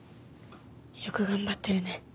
よく頑張ってるね。